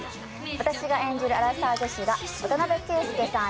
私が演じるアラサー女子が渡邊圭祐さん